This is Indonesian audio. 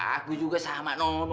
aku juga sama non